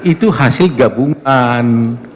itu hasil gabungan